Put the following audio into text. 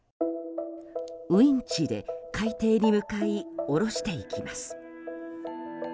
ウィンチで海底に向かい下ろしていきます。